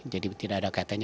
jadi tidak ada kaitannya